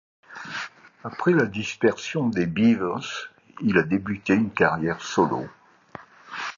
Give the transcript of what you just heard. Après la dispersion des Beavers, il a débuté une carrière solo.